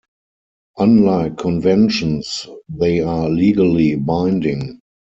Unlike conventions, they are legally binding.